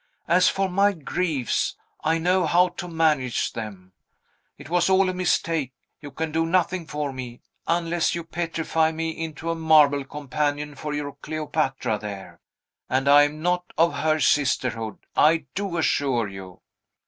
"As for my griefs, I know how to manage them. It was all a mistake: you can do nothing for me, unless you petrify me into a marble companion for your Cleopatra there; and I am not of her sisterhood, I do assure you.